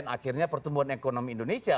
akhirnya pertumbuhan ekonomi indonesia